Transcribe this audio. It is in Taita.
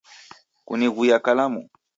kunighuiya kalamu?